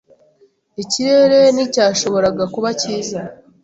Ikirere nticyashoboraga kuba cyiza.